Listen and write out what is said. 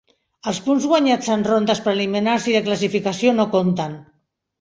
Els punts guanyats en rondes preliminars i de classificació no conten.